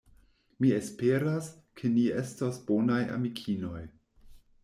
Mi esperas, ke ni estos bonaj amikinoj.